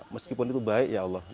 meskipun itu baik ya allah